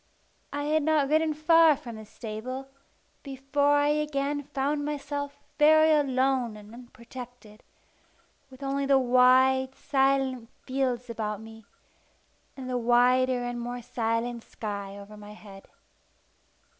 I had not ridden far from the stable, before I again found myself very much alone and unprotected, with only the wide, silent fields about me, and the wider and more silent sky over my head.